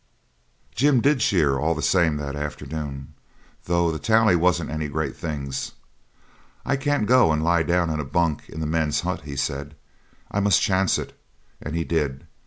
Jim did shear all the same that afternoon, though the tally wasn't any great things. 'I can't go and lie down in a bunk in the men's hut,' he said; 'I must chance it,' and he did.